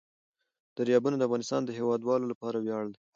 دریابونه د افغانستان د هیوادوالو لپاره ویاړ دی.